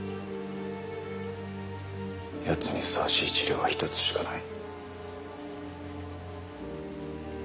やつにふさわしい治療は一つしかない。